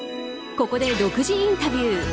ここで独自インタビュー